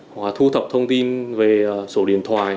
hoặc thu thập thông tin về sổ điện thoại